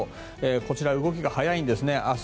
こちら、動きが速いんですね。